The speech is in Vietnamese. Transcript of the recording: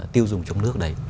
tiêu dùng trong nước này